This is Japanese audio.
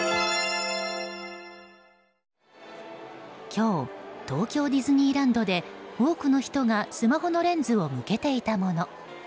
今日、東京ディズニーランドで多くの人がスマホのレンズを向けていたもの。